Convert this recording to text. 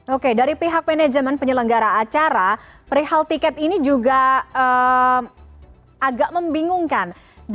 oke dari pihak manajemen penyelenggara acara perihal tiket ini juga agak membingungkan